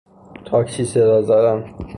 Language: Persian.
تاکسی صدا زدن